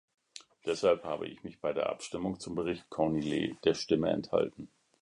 Deshalb habe ich mich bei der Abstimmung zum Bericht Cornillet der Stimme enthalten.